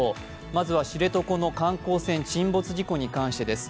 まずは知床の観光船沈没事故に関してです。